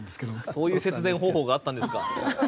そういう節電方法があったんですか。